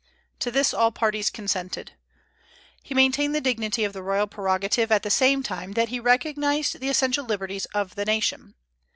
To this all parties consented. He maintained the dignity of the royal prerogative at the same time that he recognized the essential liberties of the nation.